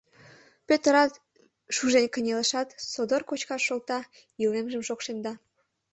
Пӧтырат шужен кынелешат, содор кочкаш шолта, илемжым шокшемда.